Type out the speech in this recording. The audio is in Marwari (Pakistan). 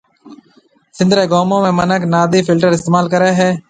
سنڌ رَي گومون ۾ منک نادِي فلٽر استعمال ڪرَي ھيَََ